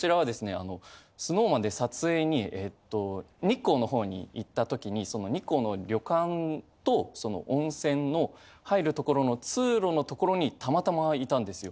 あのＳｎｏｗＭａｎで撮影にええっと日光の方に行ったときにその日光の旅館とその温泉の入る所の通路の所にたまたまいたんですよ。